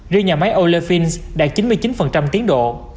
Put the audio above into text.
riêng nhà máy olefins đạt chín mươi chín tiến độ